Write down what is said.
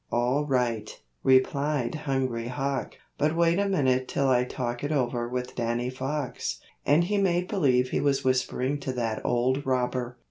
"All right," replied Hungry Hawk; "but wait a minute till I talk it over with Danny Fox," and he made believe he was whispering to that old robber.